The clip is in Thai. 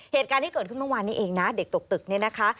เหตุการณ์ที่เกิดขึ้นเมื่อวานนี้เองนะเด็กตกตึกเนี่ยนะคะ